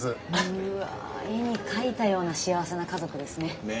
うわ絵に描いたような幸せな家族ですね。ね？